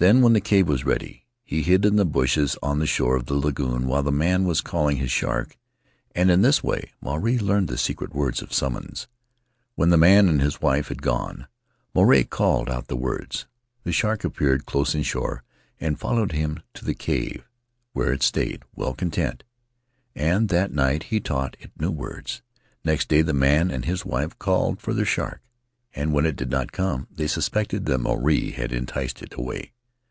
Then, when the cave was ready, he hid in the bushes on the shore of the lagoon while the man was calling his shark, and in this way Maruae learned the secret words of summons. When the man and his wife had gone, Maruae called out the words; the shark appeared close inshore and followed him to the cave, Faery Lands of the South Seas where it stayed, well content. And that night he taught it new words. Next day the man and his wife called to their shark; and when it did not come they suspected that Maruae had enticed it away.